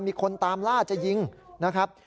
มีคนตามล่าจะยิงนะครับ